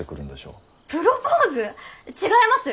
違います！